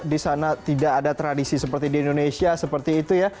di sana tidak ada tradisi seperti di indonesia seperti itu ya